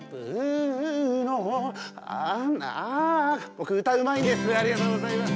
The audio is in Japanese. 僕歌うまいんです。